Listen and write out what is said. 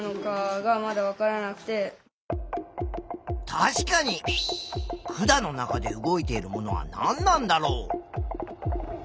確かに管の中で動いているものは何なんだろう？